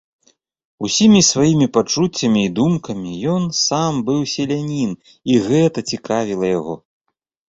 Усімі сваімі пачуццямі і думкамі ён сам быў селянін, і гэта цікавіла яго.